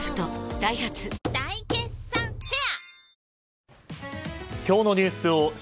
ダイハツ大決算フェア